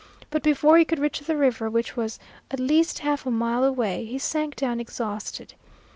But before he could reach the river, which was at least half a mile away, he sank down exhausted.